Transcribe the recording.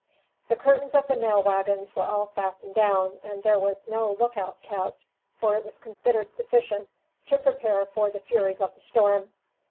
The curtains of the mail wagons were all fastened down, and there was no look out kept, for it was considered sufficient to prepare for the furies of the storm.